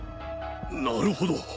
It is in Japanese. なるほど。